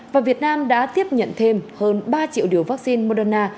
và việt nam đã tiếp nhận thêm hơn ba triệu liều vaccine moderna